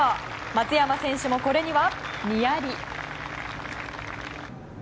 松山選手もこれには、にやり。